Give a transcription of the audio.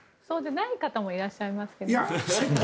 そうでない方もいらっしゃいますけどね。